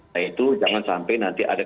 yaitu jangan sampai nanti ada